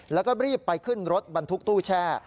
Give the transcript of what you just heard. แล้วก็รีบไปขึ้นรถบรรทุกตู้แช่